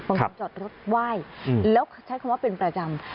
จอดรถไหว้แล้วใช้คำว่าเป็นประจำ